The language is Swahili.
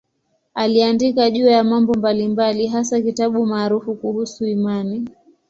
Aliandika juu ya mambo mbalimbali, hasa kitabu maarufu kuhusu imani.